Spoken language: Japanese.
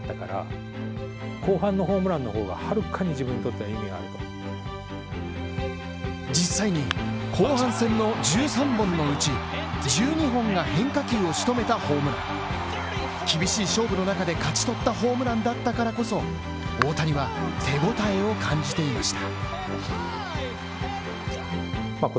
その真意について、石田さんは実際に後半戦の１３本のうち１２本が変化球を仕留めたホームラン厳しい勝負の中で勝ち取ったホームランだったからこそ、大谷は手応えを感じていました。